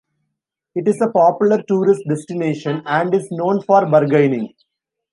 It is a popular tourist destination, and is known for bargaining.